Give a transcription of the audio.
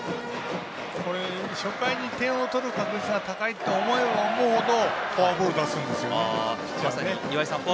初回に点を取る確率が高いと思えば思うほどフォアボール出すんですよね。